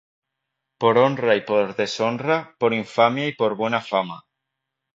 Por honra y por deshonra, por infamia y por buena fama;